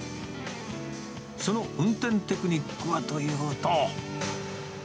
その運転テクニックはというと。